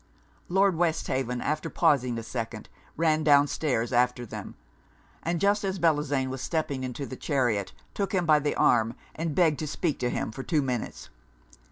Lord Westhaven, after pausing a second, ran down stairs after them; and just as Bellozane was stepping into the chariot, took him by the arm, and begged to speak to him for two minutes.